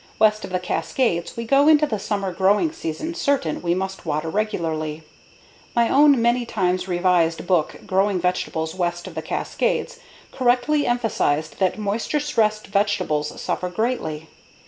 West of the Cascades we go into the summer growing season certain we must water regularly. My own many times revised book Growing Vegetables West of the Cascades correctly emphasized that moisture stressed vegetables suffer greatly.